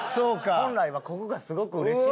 本来はここがすごくうれしい。